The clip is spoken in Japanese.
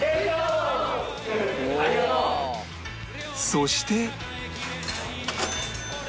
そして